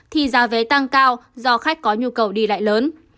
thì giá vé tăng cao do khách có nhu cầu đi lại lớn